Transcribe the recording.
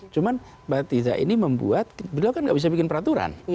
cuman mbak tiza ini membuat beliau kan nggak bisa bikin peraturan